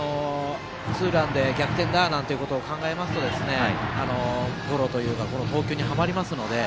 ツーランで逆転だ、なんてことを考えますと、ゴロという投球にはまりますので。